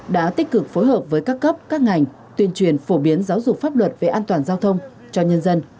đã tích cực phối hợp với các cấp các ngành tuyên truyền phổ biến giáo dục pháp luật về an toàn giao thông cho nhân dân